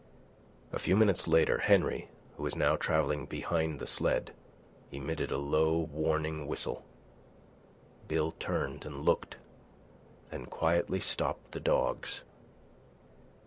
A few minutes later, Henry, who was now travelling behind the sled, emitted a low, warning whistle. Bill turned and looked, then quietly stopped the dogs.